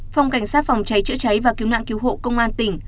phòng cảnh sát phòng cháy chữa cháy và cứu nạn cứu hộ công an tỉnh